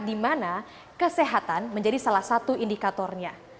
di mana kesehatan menjadi salah satu indikatornya